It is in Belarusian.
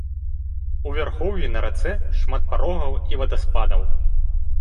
У вярхоўі на рацэ шмат парогаў і вадаспадаў.